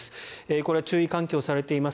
これは注意喚起をしています。